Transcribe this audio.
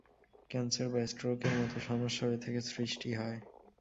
Cancer বা স্ট্রোকের মতো সমস্যাও এ থেকে সৃষ্টি হয়।